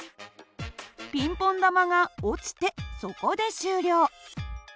ピンポン玉が落ちてそこで終了。